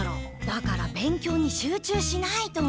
だから勉強に集中しないと。